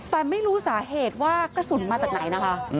แต่ไม่รู้สาเหตุว่ากระสุนมาจากไหนนะคะ